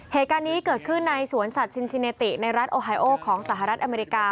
เหตุการณ์นี้เกิดขึ้นในสวนสัตว์ชินซิเนติในรัฐโอไฮโอของสหรัฐอเมริกา